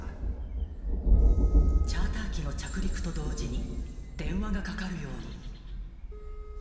チャーター機の着陸と同時に、電話がかかるように。